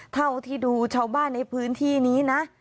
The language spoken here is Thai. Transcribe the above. เท่าที่ดูชาวบ้านในพื้นที่นี้นะ